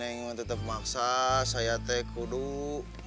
neng mah tetep maksa saya kuduk